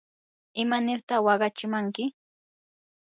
¿imanirta waqachimanki?